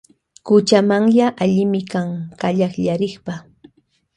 Kuchamanya allimi kan kallakllarikpa.